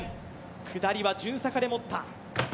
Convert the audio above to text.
下りは順逆で持った。